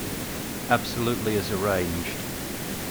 Absolutely as arranged.